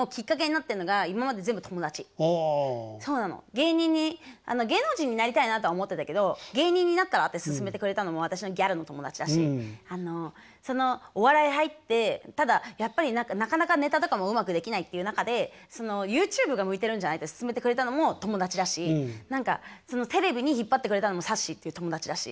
芸人に芸能人になりたいなとは思ってたけど芸人になったらって勧めてくれたのも私のギャルの友達だしお笑い入ってただやっぱりなかなかネタとかもうまくできないっていう中でＹｏｕＴｕｂｅが向いてるんじゃないって勧めてくれたのも友達だし何かテレビに引っ張ってくれたのもさっしーっていう友達だし。